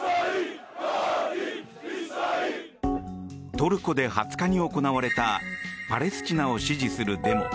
トルコで２０日に行われたパレスチナを支持するデモ。